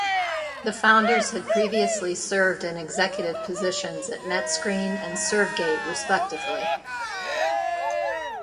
The founders had previously served in executive positions at NetScreen and ServGate respectively.